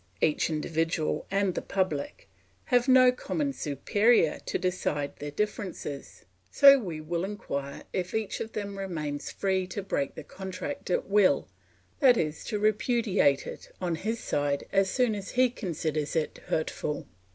each individual and the public, have no common superior to decide their differences; so we will inquire if each of them remains free to break the contract at will, that is to repudiate it on his side as soon as he considers it hurtful.